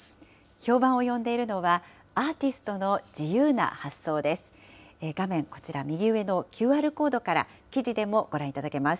評判を呼んでいるのは、アーティストの自由な発想です。